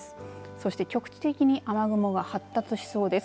そして局地的に雨雲が発達しそうです。